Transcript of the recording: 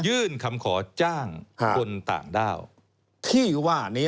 ยื่นคำขอจ้างคนต่างด้าว